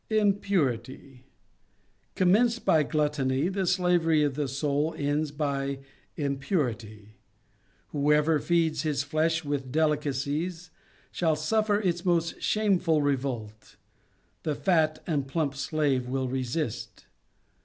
* Impurity. Commenced by gluttony, the slavery of the soul ends by impurity. Who ever feeds his flesh with delicacies, shall suf fer its most shameful revolt. The fat and plump slave will resist.